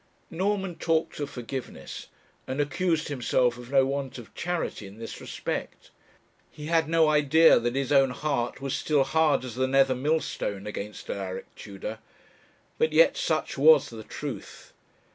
Norman talked of forgiveness, and accused himself of no want of charity in this respect. He had no idea that his own heart was still hard as the nether millstone against Alaric Tudor. But yet such was the truth.